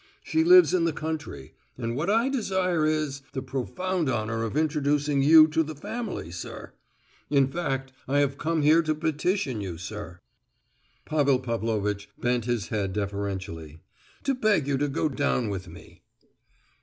She lives in the country; and what I desire is, the profound honour of introducing you to the family, sir; in fact, I have come here to petition you, sir" (Pavel Pavlovitch bent his head deferentially)—"to beg you to go down with me."